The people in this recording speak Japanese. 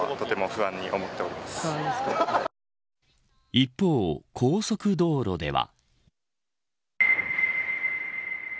一方、高速道路では。